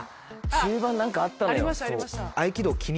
中盤何かあったのよ。